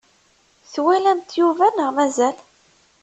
Twalamt Yuba neɣ mazal?